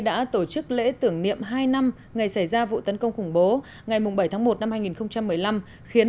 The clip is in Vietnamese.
đã tổ chức lễ tưởng niệm hai năm ngày xảy ra vụ tấn công khủng bố ngày bảy tháng một năm hai nghìn một mươi năm khiến